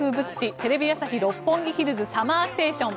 「テレビ朝日・六本木ヒルズＳＵＭＭＥＲＳＴＡＴＩＯＮ」